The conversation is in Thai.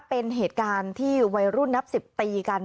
เป็นเหตุการณ์ที่วัยรุ่นนับ๑๐ตีกัน